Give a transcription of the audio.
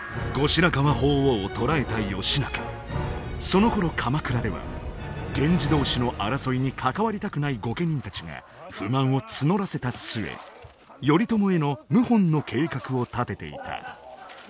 そのころ鎌倉では源氏同士の争いに関わりたくない御家人たちが不満を募らせた末頼朝への謀反の計画を立てていた。